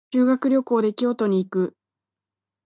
修学旅行で京都に行く。